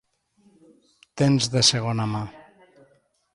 Temps de segona mà.